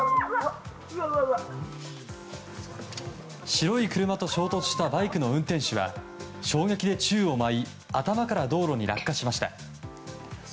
白い車と衝突したバイクの運転手は衝撃で宙を舞い頭から道路に落下しました。